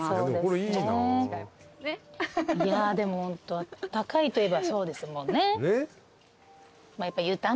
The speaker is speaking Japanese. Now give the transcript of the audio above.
いやでもあったかいといえばそうですもんね。